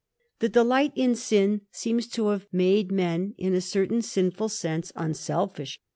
The delight in sin seems to have made men in a certain sinful sense unselfish.